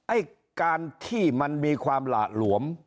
ไอ้การที่มันมีความหละหลวม